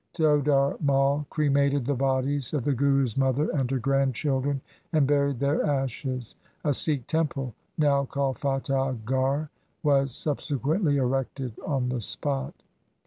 Todar Mai cremated the bodies of the Guru's mother and her grandchildren, and buried their ashes. 1 A Sikh temple, now called Fatahgarh. was subse quently erected on the spot.